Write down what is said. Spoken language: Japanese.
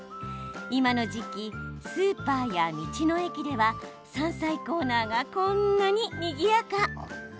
今の時期、スーパーや道の駅では山菜コーナーがこんなににぎやか。